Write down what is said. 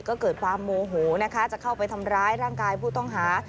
ก็เกิดความโมโหนะคะจะเข้าไปทำร้ายร่างกายผู้ต้องหา